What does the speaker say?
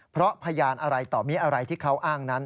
เพราะพยานอะไรต่อมีอะไรที่เขาอ้างนั้น